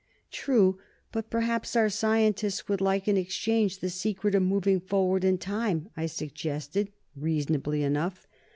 "True. But perhaps our scientists would like, in exchange, the secret of moving forward in time," I suggested, reasonably enough.